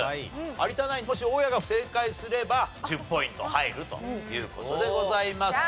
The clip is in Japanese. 有田ナインもし大家が正解すれば１０ポイント入るという事でございます。